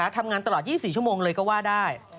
ทำงานตลอด๒๔ชั่วโมงเลยก็ว่าได้